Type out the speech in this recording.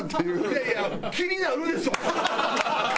いやいや気になるでしょ！